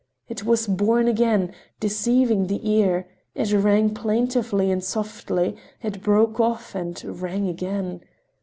It was born again; deceiving the ear, it rang plaintively and softly—it broke off—and rang again.